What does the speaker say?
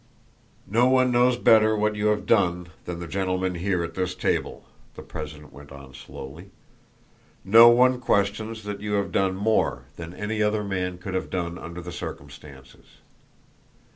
"No one knows better what you have done than the gentlemen here at this table," the president went on slowly. "No one questions that you have done more than any other man could have done under the circumstances.